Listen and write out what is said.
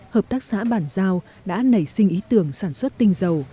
hợp tác xã bản giao đã nảy sinh ý tưởng sản xuất tinh dầu